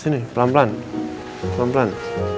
sini pelan pelan pelan pelan